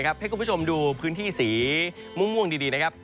ให้คุณผู้ชมดูพื้นที่สีม่วงดีนะครับ